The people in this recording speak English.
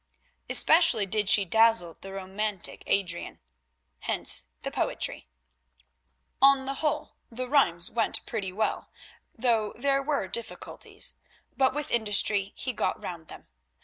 Especially did she dazzle the romantic Adrian; hence the poetry. On the whole the rhymes went pretty well, though there were difficulties, but with industry he got round them.